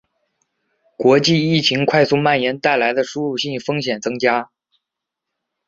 国际疫情快速蔓延带来的输入性风险增加